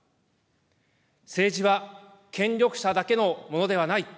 政治は権力者だけのものではない。